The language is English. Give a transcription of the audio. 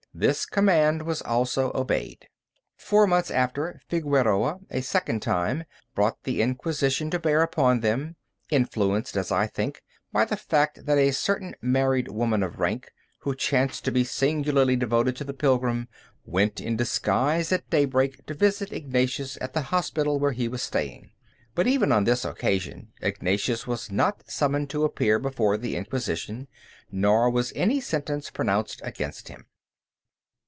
This command was also obeyed. Four months after, Figueroa, a second time, brought the Inquisition to bear upon them, influenced, as I think, by the fact that a certain married woman of rank, who chanced to be singularly devoted to the pilgrim, went in disguise at daybreak to visit Ignatius at the hospital where he was staying. But even on this occasion Ignatius was not summoned to appear before the Inquisition; nor was any sentence pronounced against him.